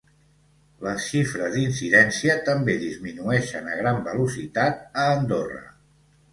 Les xifres d’incidència també disminueixen a gran velocitat a Andorra.